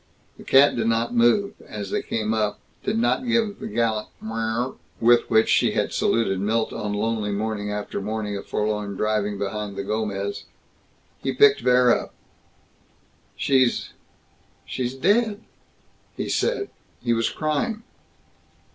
The cat did not move, as they came up; did not give the gallant "Mrwr" with which she had saluted Milt on lonely morning after morning of forlorn driving behind the Gomez. He picked Vere up. "She's she's dead," he said. He was crying.